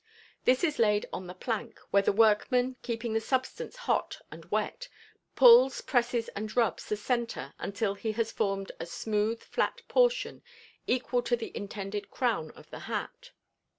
This is laid on the "plank," where the workman, keeping the substance hot and wet, pulls, presses and rubs the centre until he has formed a smooth flat portion equal to the intended crown of the hat.